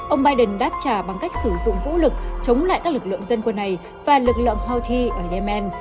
ông biden đáp trả bằng cách sử dụng vũ lực chống lại các lực lượng dân quân này và lực lượng houthi ở yemen